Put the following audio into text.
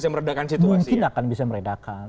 mungkin akan bisa meredakan